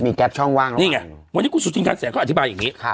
มีแก๊ปช่องว่างนี่ไงวันนี้กุศุทินคันแสนเขาอธิบายอย่างงี้ครับ